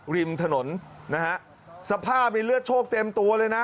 ริมถนนนะฮะสภาพในเลือดโชคเต็มตัวเลยนะ